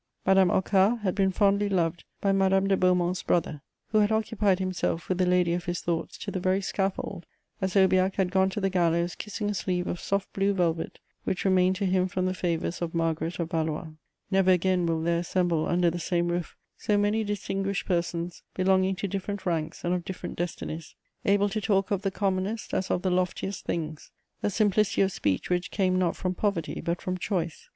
Madame Hocquart had been fondly loved by Madame de Beaumont's brother, who had occupied himself with the lady of his thoughts to the very scaffold, as Aubiac had gone to the gallows kissing a sleeve of soft blue velvet which remained to him from the favours of Margaret of Valois. [Sidenote: Who are no more.] Never again will there assemble under the same roof so many distinguished persons belonging to different ranks and of different destinies, able to talk of the commonest as of the loftiest things: a simplicity of speech which came not from poverty but from choice.